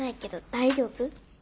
大丈夫。